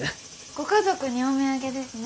ご家族にお土産ですね。